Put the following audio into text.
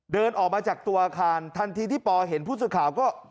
เดินออกมาจากตัวอาคารทันทีที่ปอเห็นผู้สื่อข่าวก็